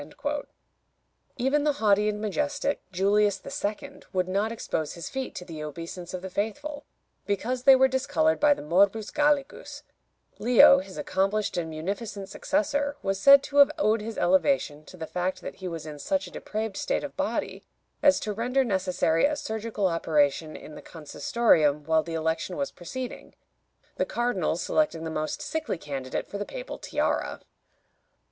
" Even the haughty and majestic Julius II. would not expose his feet to the obeisance of the faithful, because they were discolored by the Morbus Gallicus: Leo, his accomplished and munificent successor, was said to have owed his elevation to the fact that he was in such a depraved state of body as to render necessary a surgical operation in the Consistorium while the election was proceeding, the cardinals selecting the most sickly candidate for the papal tiara.